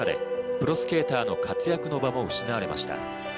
プロスケーターの活躍の場も失われました。